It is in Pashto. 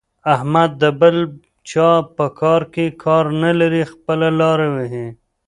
احمد د بل چا په کار کې کار نه لري؛ خپله لاره وهي.